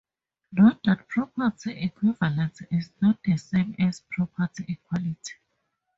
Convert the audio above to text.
Note that property equivalence is not the same as property equality.